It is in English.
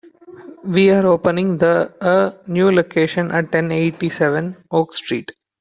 We are opening the a new location at ten eighty-seven Oak Street.